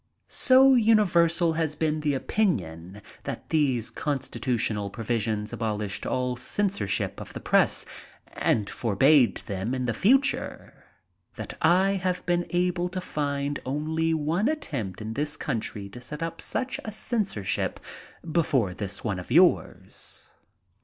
So universal has been the opinion that these con stitutional provisions abolished all censorship of the press, and forbade them in the future, that I have been able to find only one attempt in this country to set up such a censorship before this one of yours.